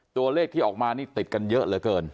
ตัวเลขที่ออกมานี่ติดกันเยอะเหลือเกิน